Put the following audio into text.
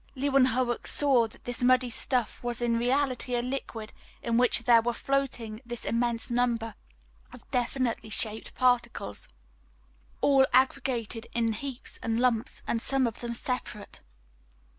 Leeuwenhoek saw that this muddy stuff was in reality a liquid, in which there were floating this immense number of definitely shaped particles, all aggregated in heaps and lumps and some of them separate.